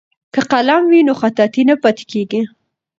که قلم وي نو خطاطي نه پاتې کیږي.